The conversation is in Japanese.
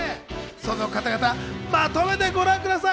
その方々まとめてご覧ください。